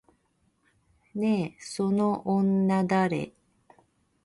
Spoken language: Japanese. ねえ、その女誰？